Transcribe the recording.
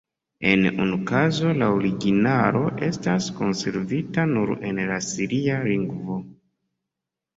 En unu kazo la originalo estas konservita nur en la siria lingvo.